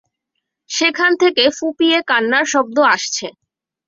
সেখান থেকে ফুঁপিয়ে কান্নার শব্দ আসছে।